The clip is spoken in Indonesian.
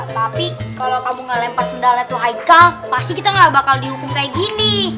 tapi kalau kamu ngelempat sendalnya tuh haikal pasti kita gak bakal dihukum kayak gini